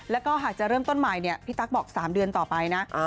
แล้วก็หากจะเริ่มต้นใหม่เนี่ยพี่ตั๊กบอก๓เดือนต่อไปนะ